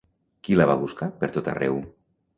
Qui la va buscar per tot arreu?